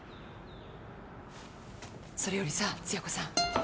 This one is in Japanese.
それよりさつや子さん。